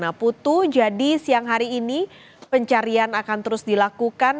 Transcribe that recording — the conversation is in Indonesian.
nah putu jadi siang hari ini pencarian akan terus dilakukan